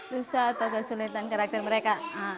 susah atau kesulitan karakter mereka